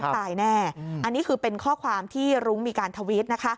ตายแน่อันนี้คือเป็นข้อความที่รุ้งมีการทวิตนะคะ